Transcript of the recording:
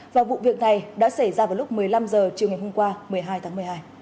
và vụ việc này đã xảy ra vào lúc một mươi năm h chiều ngày hôm qua một mươi hai tháng một mươi hai